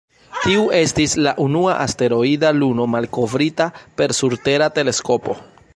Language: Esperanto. Tiu estis la unua asteroida luno malkovrita per surtera teleskopo.